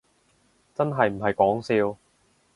真係唔係講笑